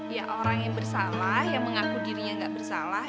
ya orang yang bersalah yang mengaku dirinya nggak bersalah